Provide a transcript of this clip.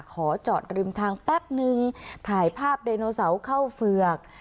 ขอจอดริมทางแป๊บนึงถ่ายภาพไดโนเสาร์เข้าเฝือก